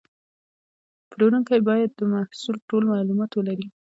پلورونکی باید د محصول ټول معلومات ولري.